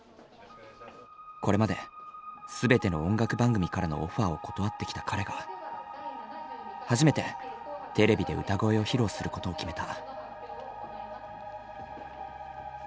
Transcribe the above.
これまで全ての音楽番組からのオファーを断ってきた彼が初めてテレビで歌声を披露することを決めた。